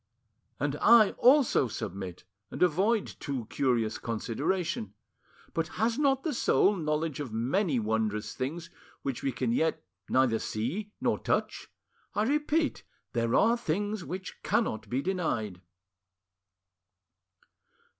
'" "And I also submit, and avoid too curious consideration. But has not the soul knowledge of many wondrous things which we can yet neither see nor touch? I repeat, there are things which cannot be denied."